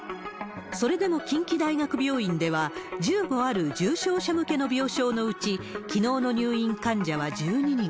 それでも近畿大学病院では、１５ある重症者向けの病床のうち、きのうの入院患者は１２人。